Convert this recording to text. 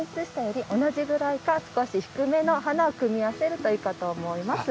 ’より同じぐらいか少し低めの花を組み合わせるといいかと思います。